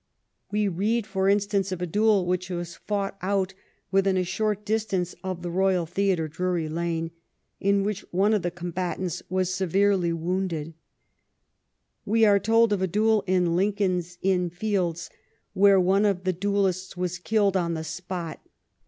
We read, for instance, of a duel which was fought out within a short distance of the Theatre Royal, Drury Lane, in which one of the combatants was severely wounded. We are told of a duel in Lincoln's Inn Fields, where one of the duellists was killed on the spot.